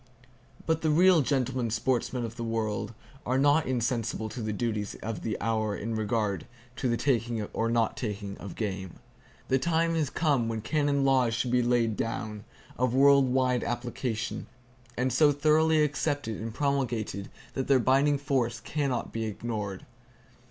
But the real gentlemen sportsmen of the world are not insensible to the duties of the hour in regard to the taking or not taking of game. The time has come when canon laws should be laid down, of world wide application, and so thoroughly accepted and promulgated that their binding force can not be ignored.